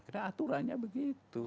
karena aturannya begitu